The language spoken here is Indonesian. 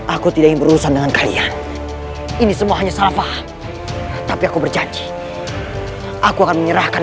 aku tidak berurusan dengan kalian ini semuanya salah paham tapi aku berjanji aku akan menyerahkan